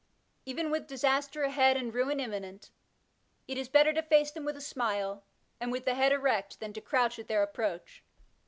Even with disaster ahead and ruin inmiinent, it is better to face them with a smile, and with the head erect, than to crouch at their approach.